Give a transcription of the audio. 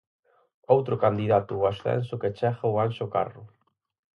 Outro candidato ao ascenso que chega ao Anxo Carro.